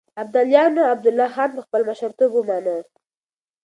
ابداليانو عبدالله خان په خپل مشرتوب ومنه.